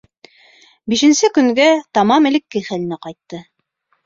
Бишенсе көнгә тамам элекке хәленә ҡайтты.